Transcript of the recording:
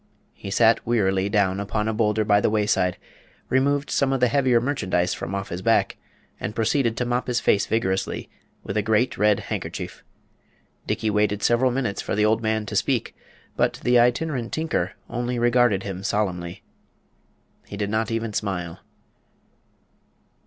He sat wearily down on a boulder by the wayside, removed some of the heavier merchandise from off his back, and proceeded to mop his face vigorously with a great red handkerchief. Dickey waited several minutes for the old man to speak; but the Itinerant Tinker only regarded him solemnly. He did not even smile.